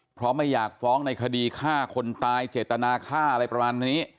เพราะไม่อยากฟ้องในคดีฆ่าคนตายเจตนาฆ่าอะไรประมาณนี้